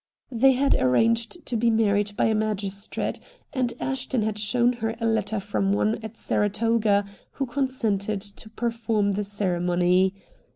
They had arranged to be married by a magistrate, and Ashton had shown her a letter from one at Saratoga who consented to perform the ceremony.